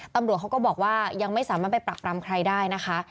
ตำรวจเขาก็บอกว่ายังไม่สามารถไปปรักปรำใครได้นะคะ